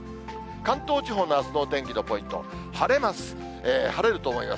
関東地方のあすのお天気のポイント、晴れます、晴れると思います。